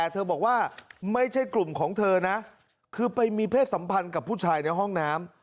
เธอบอกว่าไม่ใช่กลุ่มของเธอนะคือไปมีเพศสัมพันธ์กับผู้ชายในห้องน้ำ